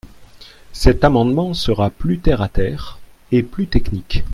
Cet amendement sera plus terre à terre et plus technique.